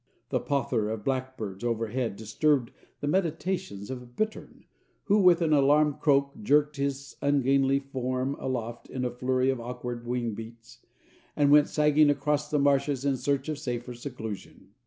The pother of the blackbirds overhead disturbed the meditations of a bittern, who, with an alarmed croak, jerked his ungainly form aloft in a flurry of awkward wing beats, and went sagging across the marshes in search of safer seclusion.